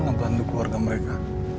ngebantu keluarga mereka